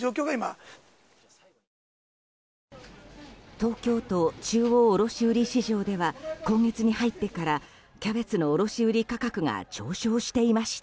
東京都中央卸売市場では今月に入ってからキャベツの卸売価格が上昇していました。